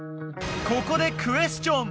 ここでクエスチョン！